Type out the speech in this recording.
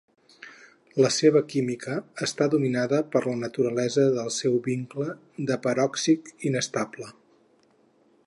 La seva química està dominada per la naturalesa del seu vincle de peròxid inestable.